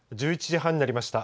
１１時半になりました。